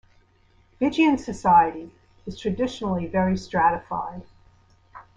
Fijian society is traditionally very stratified.